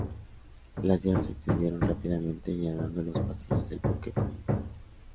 Las llamas se extendieron rápidamente llenando los pasillos del buque con humo.